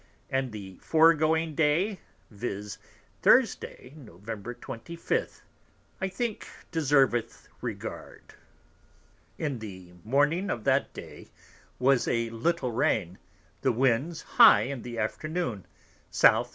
And the foregoing Day, viz. Thursday, Nov. 25. I think deserveth regard. In the Morning of that day was a little Rain, the Winds high in the Afternoon: S.b.